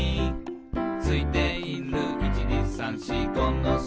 「ついている１２３４５のすうじ」